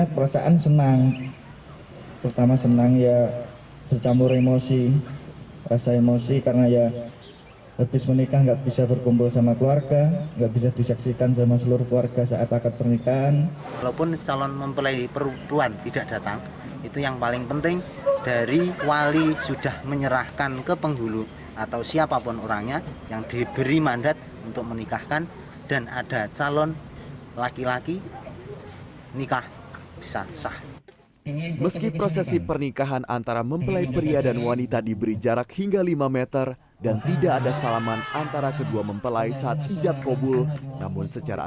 pernikahan ini sebetulnya sudah direncanakan sejak sebulan yang lalu